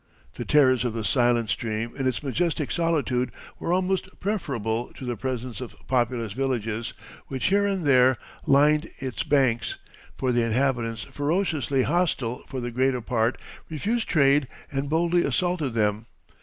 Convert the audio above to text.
The terrors of the silent stream in its majestic solitude were almost preferable to the presence of populous villages, which here and there lined its banks, for the inhabitants, ferociously hostile for the greater part, refused trade and boldly assaulted them.